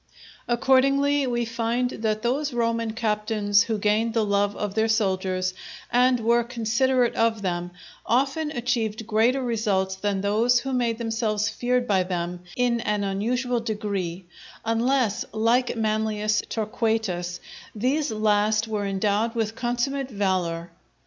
Accordingly we find that those Roman captains who gained the love of their soldiers and were considerate of them, often achieved greater results than those who made themselves feared by them in an unusual degree, unless, like Manlius Torquatus, these last were endowed with consummate valour.